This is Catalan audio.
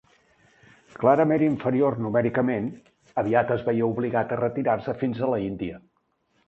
Clarament inferior numèricament, aviat es veié obligat a retirar-se fins a l'Índia.